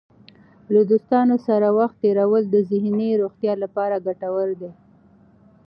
له دوستانو سره وخت تېرول د ذهني روغتیا لپاره ګټور دی.